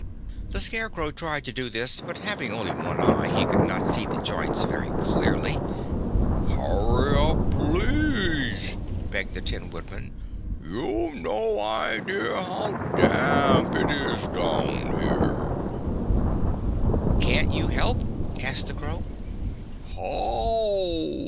The Scarecrow tried to do this, but having only one eye he could not see the joints very clearly. "Hurry up, please," begged the Tin Woodman; "you've no idea how damp it is down here." "Can't you help?" asked the crow. "How?"